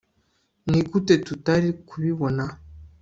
nigute tutari kubibona